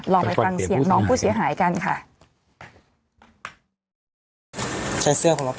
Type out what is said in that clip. ลองไปฟังเสียงน้องผู้เสียหายกันค่ะ